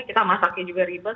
kita masaknya juga ribet